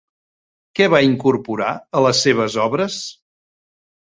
Què va incorporar a les seves obres?